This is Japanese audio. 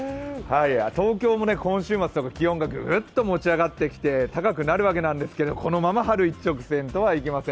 東京も今週末とか気温がぐっと持ち上がってきて高くなるわけなんですけどこのまま春一直線とはいきません。